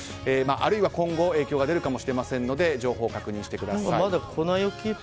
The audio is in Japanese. あるいは今後影響が出るかもしれませんので情報、確認してください。